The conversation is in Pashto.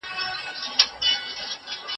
زه اوس د کتابتون پاکوالی کوم.